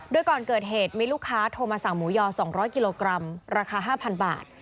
โดยก่อนเกิดเหตุมีลูกค้าโทรมาสั่งหมูยอ๒๐๐กิโลกรัมราคา๕๐๐บาท